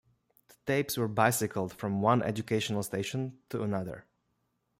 The tapes were "bicycled" from one educational station to another.